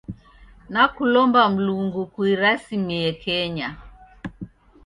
Nakulomba Mlungu kuirasimie Kenya.